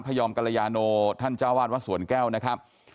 พระพระยอมกัลยาโนท่านเจ้าว่านวัศวรแก้วนะครับ